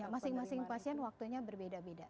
masing masing pasien waktunya berbeda beda